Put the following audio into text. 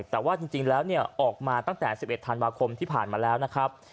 แต่ว่าจริงแล้วออกมาตั้งแต่๑๑ธันวาคมที่ผ่านมาแล้วนะครับ